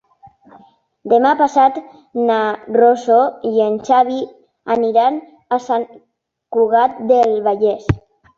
Demà passat na Rosó i en Xavi aniran a Sant Cugat del Vallès.